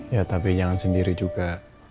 ya tapi jangan sendiri juga